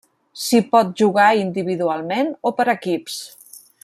S'hi pot jugar individualment o per equips.